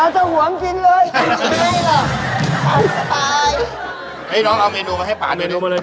เธอห่วงกินเลย